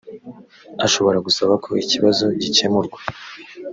ashobora gusaba ko ikibazo gikemurwa